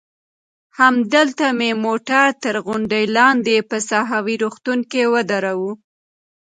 همدلته مې موټر تر غونډۍ لاندې په ساحوي روغتون کې ودراوه.